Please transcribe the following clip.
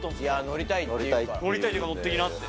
乗りたいって言うから乗ってきなって。